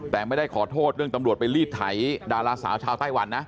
แต่ไม่ได้ขอโทษเรื่องตำรวจไปรีดไถดาราสาวชาวไต้หวันนะ